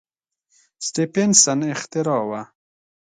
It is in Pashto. سټېفنسن اختراع وه.